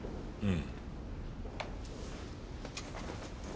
うん。